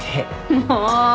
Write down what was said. もう。